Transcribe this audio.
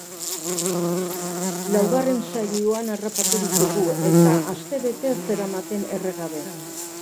Laugarren saioan harrapatu ditugu eta astebete zeramaten erre gabe.